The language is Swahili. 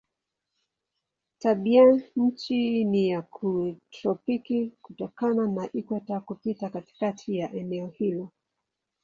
Tabianchi ni ya kitropiki kutokana na ikweta kupita katikati ya eneo hilo.